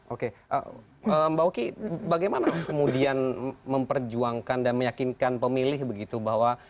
oke mbak uki bagaimana kemudian memperjuangkan dan meyakinkan pemilih begitu bahwa